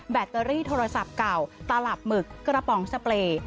ตเตอรี่โทรศัพท์เก่าตลับหมึกกระป๋องสเปรย์